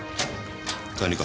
管理官。